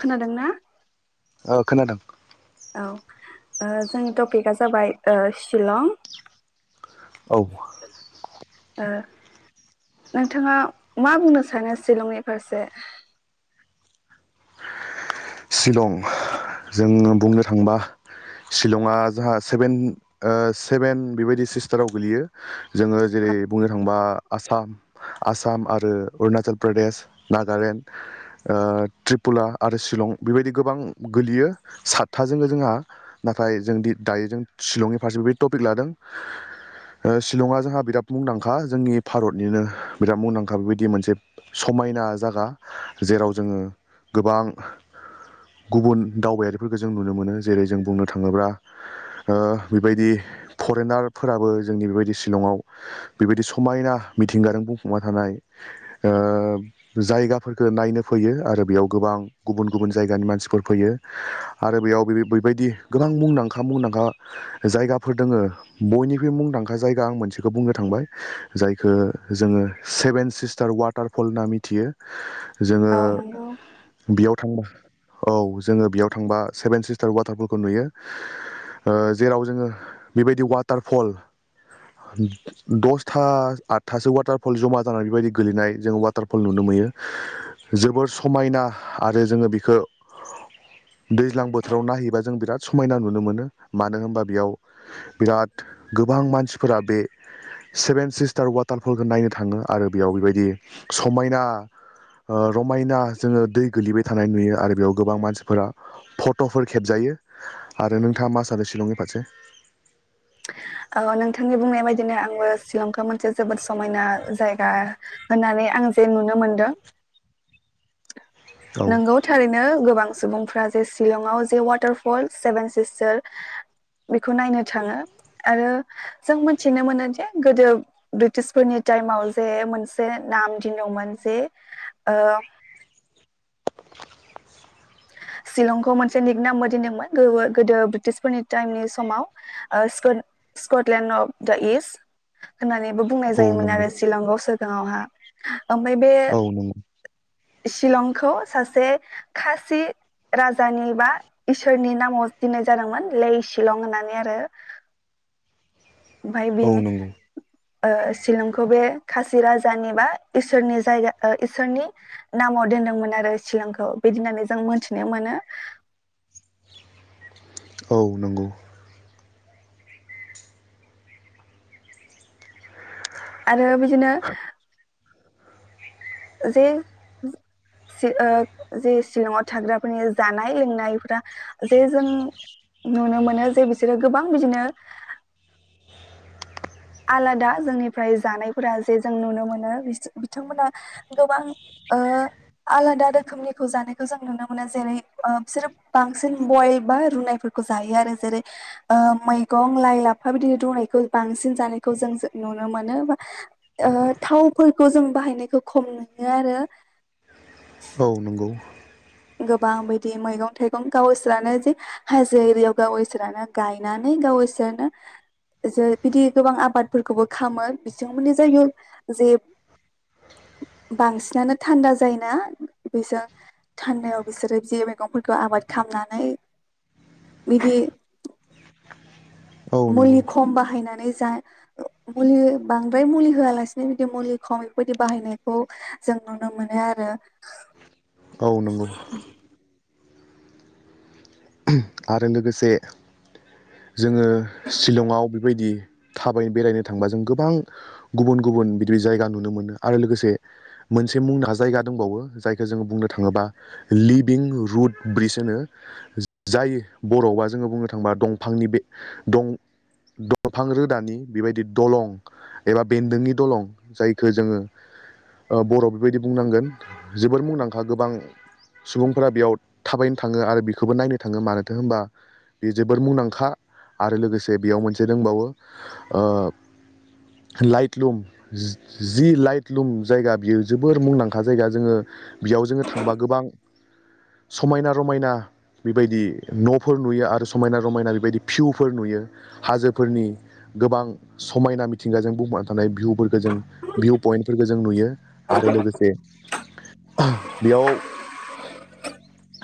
खोनादों ना अ खोनादों औ ओ जोंनि टपिकआ जाबाय ओ‌ शिलं औ ओ नोंथाङा मा बुंनो सानो शिलंनि फारसे शिलं जों बुंनो थांबा शिलंआ जोंहा सेभेन ओ‌ सेभेन बेबायदि सिस्टाराव गोलैयो जोङो जेरै बुंनो थाङोबा आसाम आसाम आरो अरुणाचल प्रदेश नागालेण्ड‌‌ ओ त्रिपुरा आरो शिलं बेबायदि गोबां गोलैयो सातथाजोंबो जोंहा नाथाय जों दि दायो जों शिलंनि फारसे बेबायदि टपिक लादों ओ शिलंआ जोंहा बिराद मुंदांखा जोंनि भारतनिनो बिराद मुंदांखा बेबायदि मोनसे समायना जागा जेराव जोङो गोबां गुबुन दावबायारिफोरखौ जों नुनो मोनो जेरै जों बुंनो थाङोब्ला ओ बेबायदि फरेनारफोराबो जोंनि बेबायदि शिलंआव बेबायदि समायना मिथिंगाजों बुंफुंना थानाय ओ जायगाफोरखौ नायनो फैयो आरो बेयाव गोबां गुबुन गुबुन जायगानि मानसिफोर फैयो आरो बेयाव बैबायदि गोबां मुंदांखा मुंदांखा जायगाफोर दोङो बयनिख्रुइ मुंदांखा जायगा आं मोनसेखौ बुंनो थांबाय जायखो जोङो सेभेन सिस्टार वाटारफल होनना मिथियो जोङो अ नंगौ बेयाव थांबा औ जोङो बेयाव थांबा सेभेन सिस्टार वाटारफलखौ नुयो ओ‌ जेराव जोङो बेबायदि वाटारफल दसथा आठथासो वाटारफल जमा जानानै बेबायदि गोलैनाय जोङो वाटारफल नुनो मोयो जोबोर समायना आरो जोङो बेखो दैज्लां बोथोराव नायहैबा जों बिराद समायना नुनो मोनो मानो होनबा बेयाव बिराद गोबां मानसिफोरा बे सेभेन सिस्टार वाटारफलखौ नायनो थाङो आरो बेयाव बेबायदि समायना रमायना जोङो दै गोलैबाय थानाय नुयो आरो बेयाव गोबां मानसिफोरा फटफोर खेबजायो आरो नोंथाङा मा सानो शिलंनि फारसे औ‌‌ नोंथांनि बुंनाय बायदिनो आंबो शिलंखो मोनसे जोबोद समायना जायगा होननानै आं जे नुनो मोनदों औ नोंगौ थारैनो गोबां सुबुं फोरा जे शिलंआव जे वाटारफल सेभेन सिस्टार बेखौ नायनो थाङो आरो जों मोनथिनो मोनो जे गोदो ब्रिटिशफोरनि टाइमाव जे मोनसे नाम दिनमोन जे ओ शिलंखौ मोनसे निक नामबो दिनदोंमोन गोदो ब्रिटिसफोरनि टाइमनि समाव ओ स्कट-स्कटलेण्ड अफ दा इस्ट होननानैबो बुंनाय जायोमोन नंगौ आरो शिलंगसो गावहा आमफाय बे औ नंगौ शिलंखौ सासे सासे राजानि बा इसोरनि नामाव दिननाय जादोंमोन ले शिलं होननानै आरो ओमफाय औ बेनि नंगौ ओ‌ शिलंखौ बे खासि राजानि बा इसोरनि जायगा इसोरनि नामाव दोनदोंमोन आरो शिलंखौ बेदि होननानै जों मोनथिनो मोनो औ नंगौ आरो मिथि बिदिनो जे ज ओ जे सिशलंआव थाग्राफोरनि जानाय लोंनायफोरा जे जों नुनो मोनो नो जे बिसोरो गोबां बिदिनो आलादा जोंनिफ्राय जानायफोरा जे जों नुनो मोनो बिथांमोना गोबां ओ आलादा रोखोमनिखौ जानायखौ जों नुनो मोनो जेरै ओ बिसोरो बांसिन बयल बा रुनायफोरखौ जायो आरो जेरै ओ मैगं लाइ लाफा बिदिनो रुनायखौ बांसिन जानायखौ‌ जों जो नुनो मोनो थावफोरखौ जों बाहायनायखौ खम नुयो आरो औ नंगौ गोबां बिदि मैगं थाइगं गावसोरानो जे हाजो एरियाव गावयसोरानो गायनानै गावइसोरानो जो बिदि गोबां आबादफोरखौबो खामो बिथांमोननि जायगायाव जे बांसिनानो थान्दा जायोना बेजों थान्दायाव बिसोरो बि मैगंफोरखौ आबाद खालामनानै बिदि औ नंगौ मुलि खम बाहायनानै जा मुलि बांद्राय मुलि होआलासिनो बिदि मुलि खम बेफोरबायदि बाहायनायखौ जों नुनो मोनो आरो। औ नंगौ आरो लोगोसे जोङो सिलंआव बेबायदि थाबायनो बेरायनो थांबा जों गोबां गुबुन गुबुन बिदि जायगा नुनो मोनो आरो लोगोसे मोनसे मुंदांखा जायगा दंबावो जायखौ जोङो बुंनो थाङोबा लिभिं रुद ब्रिज होनो जाय बर'आवबा जोंङो बुंनो थांबा दंफांनि बे दं-दंफां रोदानि बेबायदि दलं एबा बेन्दोंनि दलं जायखौ जोंङो बर'आव बेबायदि बुंनांगोन जोबोर मुंदांखा गोबां सुबुंफोरा बेयाव थाबायनो थाङो आरो बेखौबो नायनो थाङो मानोथो होनबा बे जोबोर मुंदांखा आरो लोगोसे बेयाव मोनसे दंबावो ओ लाइट लुम जि लाइट लुम जायगा बियो जोबोर मुंदांखा जायगा जोंङो बेयाव जोंङो थांबा गोबां समायना रमायना बेबायदि नफोर नुयो आरो समायना रमायना बेबायदि भिउफोर नुयो हाजोफोरनि गोबां समायना मिथिंगाजों बुंनानै थानाय भिउफोरखौ जों भिउ पइन्टफोरखौ जों नुयो आरो लोगोसे बेयाव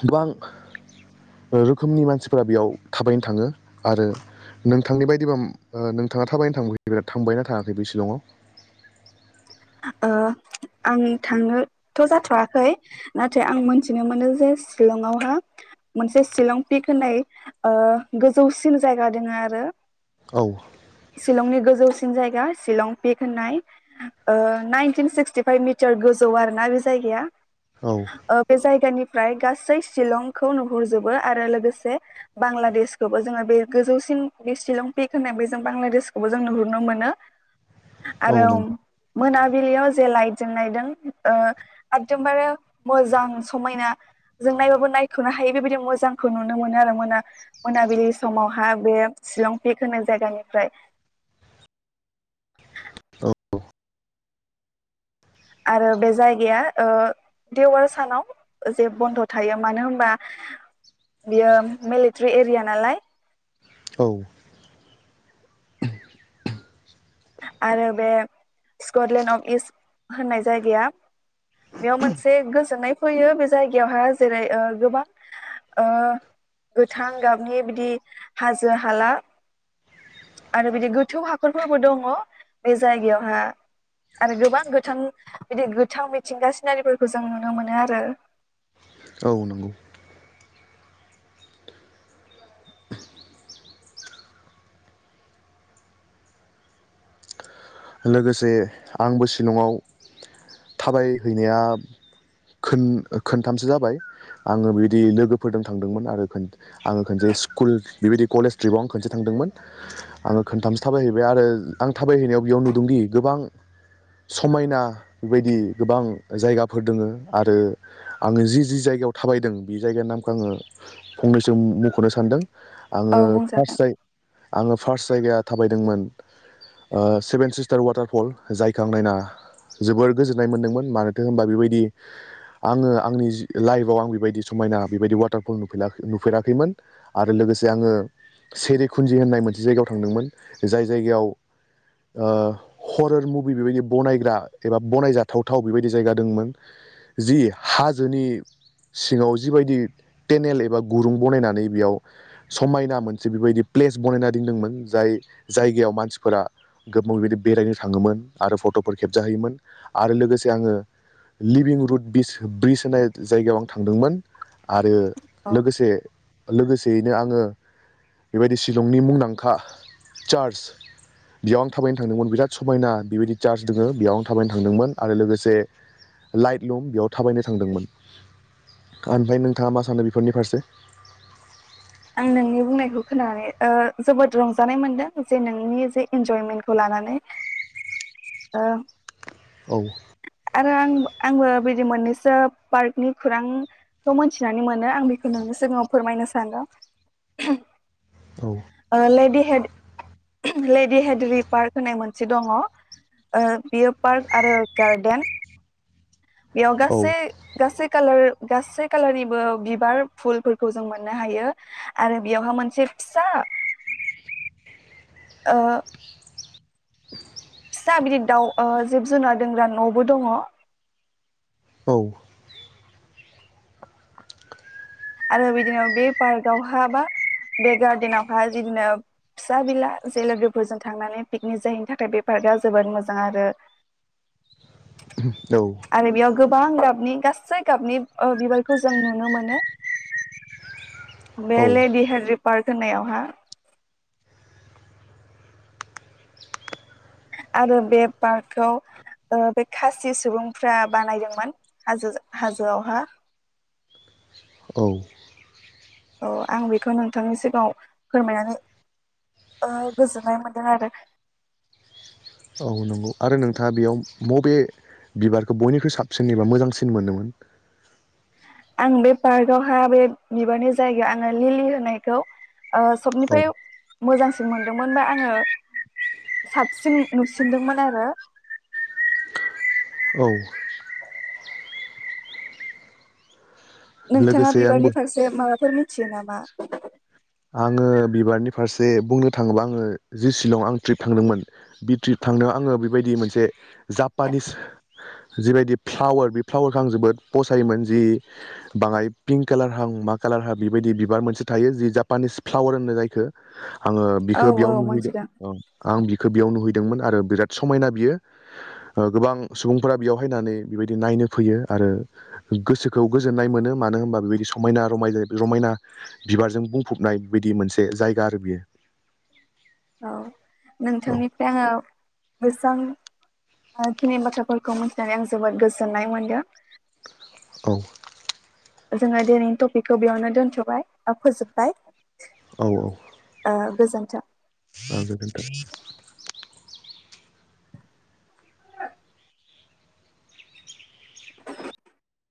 गोबां रोखोमनि मानसिफोरा बेयाव थाबायनो थाङो आरो नोंथांनि बायदिबा ओ नोंथाङा थाबायनो थां-थांबायना थाङाखै बे शिलंआव? ओ आं थांनोथ' जाथवाखै नाथाय आं मोनथिनो मोनो जे शिलंआवहा मोनसे शिलं पिक ओ होननाय गोजौसिन जायगा दङ आरो औ शिलंनि गोजौसि सिन जायगा शिलं पिक होननाय ओ नाइनटिन सिक्सटिफाइभ मिटार गोजौ आरो ना बे जायगाया औ बे जायगानि फ्राय गासै शिलंखौ नुहुरजोबो आरो लोगोसे बांलादेशखौबो जोंङो बे गोजौसिन बे शिलं पिक होननाय बे जों बांलादेशखौबो जों नुहुरनो मोनो। औ आरो नों मोनाबिलियाव जे लाइट जों नायदों ओ एखदमबारे मोजां समायना जों नायबाबो नायखनो हायो बेबायदि मोजांखौ नुनो मोनो आरो मोना मोनाबिलि समावहा बे शिलं पिक होननाय जायगानिफ्राय। औ आरो बे जायगाया ओ देवार सानाव जे बन्द थायो मानो होनबा बियो मिलिटारि एरिया नालाय औ [inaudible] आरो बे स्कटलेण्ड अफ इस्ट होननाय जायगाया बेयाव मोनसे गोजोननाय फैयो बे जायगायावहा जेरै ओ गोबां ओ गोथां गाबनि बिदि दि हाजो हाला आरो बिदि गोथौ हाखरफोरबो दं ङ बे जायगायावहा आरो गोबां गोथां बिदि गोथां मिथिंगा सिनारिफोरखौ जों नुनो मोनो आरो। औ नंगौ लोगोसे आंबो शिलंआव थाबायहैनाया खोन-खोनथामसो जाबाय आंङो बेबायदि लोगोफोरजों थांदोंमोन आरो आंङो खनसे स्कुल बेबायदि कलेज ट्रिपाव आं खनसे थांदोंमोन आंङो खनथामसो थाबायहैबाय आरो आं थाबायहैनायाव बेयाव नुदोंदि गोबां समायना बेबायदि गोबां जायगाफोर दोङो आरो आंङो जि जि जायगायाव थाबायदों बे जायगानि नामखौ आंङो फंनैसो मखनो सानदों आंङो औ बुंजागोन [inaudible] आंङो फार्स्ट जायगाया थाबायदोंमोन ओ सेभेन सिस्टार वाटारफल जायखौ आं नायना जोबोर गोजोननाय मोनदोंमोन मानोथो होनबा बेबायदि आंङो आंनि लाइफआव आं बेबायदि समायना बेबायदि वाटारफल नुफेरै नुफेराखैमोन आरो लोगोसे आंङो सेरि खुन्जि होननाय मोनसे जायगायाव थांदोंमोन जाय जायगायाव ओ हरर मुभि बेबायदि बनायग्रा एबा बनायजाथावथाव बेबायदि जायगा दोंमोन जि हाजोनि सिङाव जिबायदि टेनेल एबा गुरुं बनायनानै बेयाव समायना मोनसे बेबायदि प्लेस बनायना दंदोंमोन जाय जायगायाव मानसिफोरा गोबाव बेबायदि बेरायनो थाङोमोन आरो फटफोर खेबजाहैयोमोन आरो लोगोसे आङो लिभिं रुद ब्रि ब्रिज होननाय जायगायाव आं थांदोंमोन आरो औ लोगोसे लोगोसे यैनो आंङो बेबायदि शिलंनि मुंदांखा चार्च बेयाव आं थाबायनो थांदोंमोन बिराद समायना बेबायदि चार्ज दङो बेयाव आं थाबायनो थांदोंमोन आरो लोगोसे लाइट लुम बेयाव थाबायनो थांदोंमोन ओमफ्राय नोंथाङा मा सानो बेफोरनि फारसे? आं नोंनि बुंनायखौ खोनानानै ओ जोबोद रंजानाय मोनदों जे नोंनि जे इन्जयमेन्टखौ लानानै ओ औ आरो आं आंबो बिदि मोननैसो पार्कनि खौरांखौ मोनथिनानै मोनो आं बेखौ नोंनि सिगाङाव फोरमायनो सानदों। औ ओ लेडि ले देहिदेरि पार्क होननाय मोनसे दङ अ बियो पार्क आरो गार्डेन बेयाव औ गासै गासै कालार गासै कालारनिबो बिबार फुलफोरखौ जों मोननो हायो आरो बेयावहााय मोनसे फिसा ओ फिसा बिदि दाउ अ जिब जुनार दोंग्रा न'बो दङ। औ आरो बिदिनो बे पार्कआवहा बा बे गार्देनावहा बिदिनो फिसा बिला जे लोगोफोरजों थांनानै पिकनिक जाहैनो थाखाय बे पार्कआ जोबोद मोजां आरो आरो बेयाव गोबां गाबनि गासै गाबनि ओ बिबारखौ जों नुनो मोनो बे औ लेडि हड्रि पार्क होननायावहा। आरो बे पार्कखौ ओ बे खासि सुबुंफ्रा बानायदोंमोन हाजो हाजोआवहा। औ औ आं बेखौ नोंथांनि सिगाङाव फोरमायनानै ओ गोजोननाय मोनदों आरो अ आरो नोंथाङा बेयाव बबे बिबारखौ बयनिख्रुइ साबसिन एबा मोजांसिन मोनो। आं बे पार्कआवहा बे बिबारनि जायगायाव आङो लिलि होनायखौ ओ औ सबनिफ्राय मोजांसिन मोनदोंमोन बा आङो साबसिन नुसिनदोंमोन आरो औ नोंथाङा लोगोसे आंबो बिबारनि फारसे माबाफोर मि थियो नामा? आङो बिबारनि फारसे बुंनो थाङोबा आङो जि शिलं आं ट्रिप थांदोंमोन बि ट्रिप थांनायाव आङो बेबायदि मोनसे जापानिस जिबायदि फ्लावार बे फ्लावारखौ आं जोबोद पसायोमोन जि बाङाय पिंक कालारहां मा कालारहां बेबायदि बिबार मोनसे थायो जि जा पानिस फ्लाावार होननाय जायखौ आङो औ बिखौ औ बेयाव नुहैदों मोनथिदों आं बि बेयाव नुहैदोंमोन आरो बिराद समायना बियो ओ गोबां सुबुंफोरा बेयावहायनानै बेबायदि नायनो फैयो आरो गोसोखौ गोजोननाय मोनो मानो होनबा बेबायदि समायना रमाय रमायना बिबारजों बुं फबनाय बदि मोनसे जायगा आरो बियो। औ औ नोंथांनिफ्राय आङो बोसां खिनि बाथ्राफोरखौ मिथिनानै आं जोबोद गोजोननाय मोनदों। औ जोङो दिनैनि टपिकखौ बेयावनो दोनथ'बाय बा फोजोबबाय। औ ओ गोजोन [inaudible] गोजोनथों [inaudible]